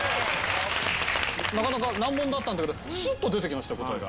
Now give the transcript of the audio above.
なかなか難問だったんだけどすっと出て来ました答えが。